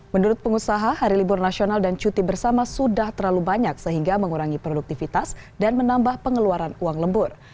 menurut pengusaha hari libur nasional dan cuti bersama sudah terlalu banyak sehingga mengurangi produktivitas dan menambah pengeluaran uang lembur